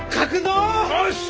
よし！